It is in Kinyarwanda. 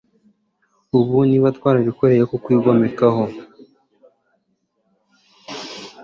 ubu niba twarabikoreye kukwigomekaho